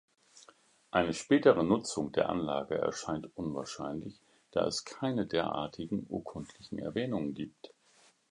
Eine spätere Nutzung der Anlage erscheint unwahrscheinlich, da es keine derartigen urkundlichen Erwähnungen gibt.